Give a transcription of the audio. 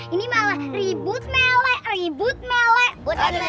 ini malah ribut mele ribut mele ribut mele